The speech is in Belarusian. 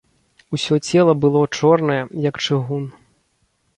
Усё цела было чорнае, як чыгун.